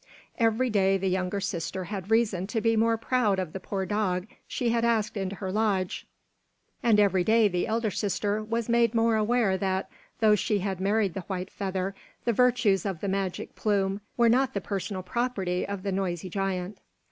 Every day the younger sister had reason to be more proud of the poor dog she had asked into her lodge, and every day the elder sister was made more aware that, though she had married the white feather, the virtues of the magic plume were not the personal property of the noisy giant.